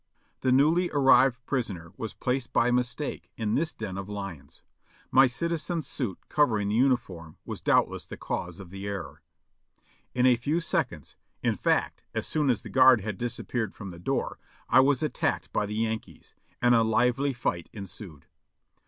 The newly arrived prisoner was placed by mistake in this den of lions; my citizen's suit covering the uniform was doubtless the cause of the error. In a few seconds, in fact as soon as the guard had disappeared from the door, I was attacked by the Yankees, and a lively fight ensued.